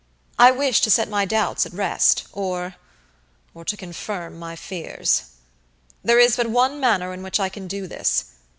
I wish to set my doubts at rest oror to confirm my fears. There is but one manner in which I can do this.